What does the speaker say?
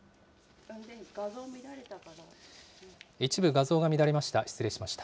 一部、画像が乱れました。